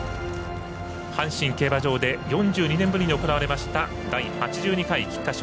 阪神競馬場で４２年ぶりに行われました第８２回菊花賞。